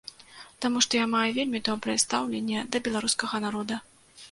Таму, што я маю вельмі добрае стаўленне да беларускага народа.